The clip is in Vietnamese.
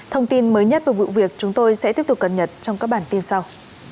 thông tin mới nhất về vụ việc chúng tôi sẽ tiếp tục cập nhật trong các bản tin sau